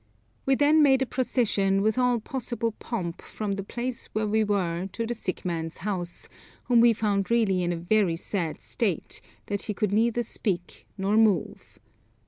We then made a procession, with all possible pomp, from the place where we were to the sick man's house, whom we found really in a very sad state in that he could neither speak nor move.